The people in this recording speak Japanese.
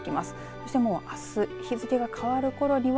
そして、あす日付が変わるころには